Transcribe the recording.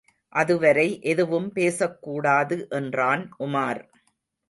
அதுவரை எதுவும் பேசக்கூடாது என்றான் உமார்.